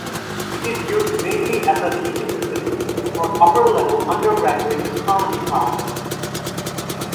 It is used mainly as a teaching facility for upper-level undergraduate astronomy classes.